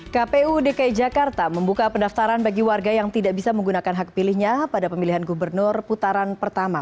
kpu dki jakarta membuka pendaftaran bagi warga yang tidak bisa menggunakan hak pilihnya pada pemilihan gubernur putaran pertama